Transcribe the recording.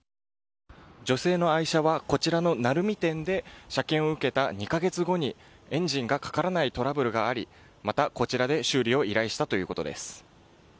女性の愛車はこちらの鳴海店で車検を受けた２か月後にエンジンがかからないトラブルがありまた、こちらで修理を依頼したということです。